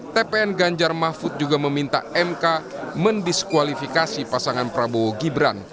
tpn ganjar mahfud juga meminta mk mendiskualifikasi pasangan prabowo gibran